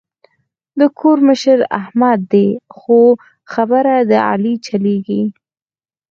د کور مشر احمد دی خو خبره د علي چلېږي.